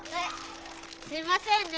すいませんね。